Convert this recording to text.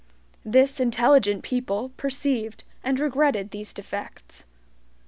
This intelligent people perceived and regretted these defects.